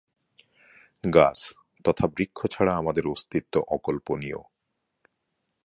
গাছ তথা বৃক্ষ ছাড়া আমাদের অস্তিত্ব অকল্পনীয়।